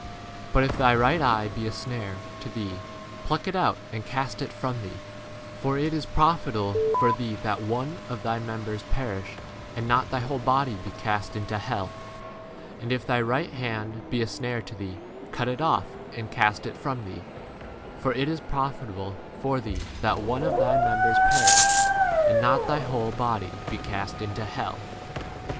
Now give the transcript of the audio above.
But if thy right eye be a snare v to thee, pluck it out and cast it from thee : for it is profitable for thee that one of thy members perish, and not thy whole body be cast 30 into hell. w And if thy right hand be a snare to thee, cut it off and cast it from thee : for it is profit able for thee that one of thy mem bers perish, and not thy whole body be cast into hell.